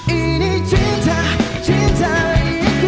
aduh luas lagi